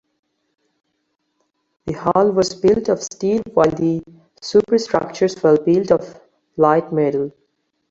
The hull was built of steel while the superstructures were built of light metal.